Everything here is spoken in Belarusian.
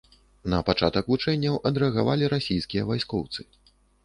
На пачатак вучэнняў адрэагавалі расійскія вайскоўцы.